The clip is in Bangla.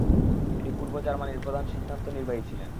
তিনি পূর্ব জার্মানির প্রধান সিদ্ধান্ত নির্বাহী ছিলেন।